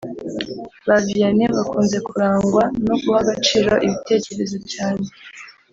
Ba Vianney bakunze kurangwa no guha agaciro ibitekerezo cyane